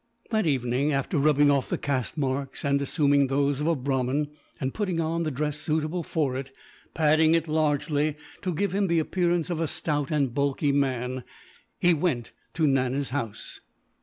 That evening, after rubbing off the caste marks and assuming those of a Brahmin, and putting on the dress suitable for it padding it largely, to give him the appearance of a stout and bulky man he went to Nana's house.